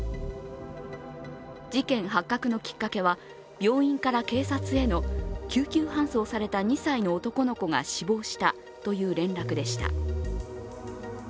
事件発覚のきっかけは病院から警察への救急搬送された２歳の男の子が死亡したという連絡でした。